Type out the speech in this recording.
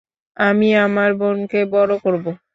আমি আমার বোনকে বড় করবো।